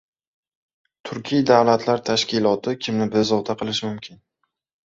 Turkiy davlatlar tashkiloti kimni bezovta qilishi mumkin?..